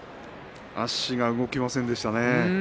足が動きませんでしたね。